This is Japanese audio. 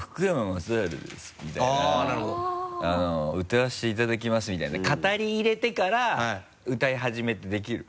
「歌わせていただきます」みたいな語り入れてから歌い始めってできる？